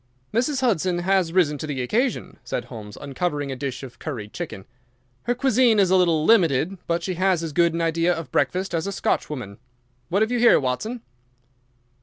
"Mrs. Hudson has risen to the occasion," said Holmes, uncovering a dish of curried chicken. "Her cuisine is a little limited, but she has as good an idea of breakfast as a Scotch woman. What have you here, Watson?"